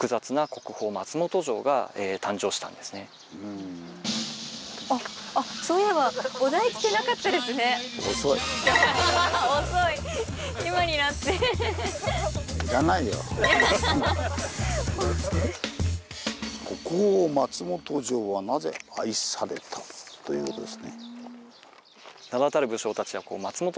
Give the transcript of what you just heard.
「国宝・松本城はなぜ愛された？」ということですね。